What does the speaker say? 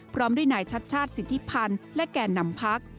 พร้อมด้วยนายชัดชาติสิทธิพันธ์และแก่นำพัก